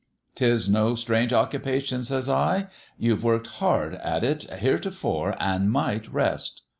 "' 'Tis no strange occupation,' says I. ' You've worked hard at it heretofore an' might rest.'